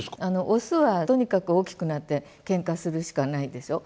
オスはとにかく大きくなってケンカするしかないでしょ。